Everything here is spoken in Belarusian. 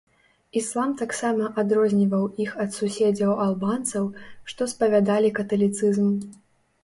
Іслам таксама адрозніваў іх ад суседзяў-албанцаў, што спавядалі каталіцызм.